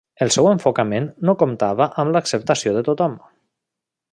El seu enfocament no comptava amb l'acceptació de tothom.